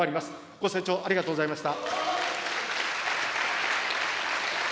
ご清聴ありがとうございました。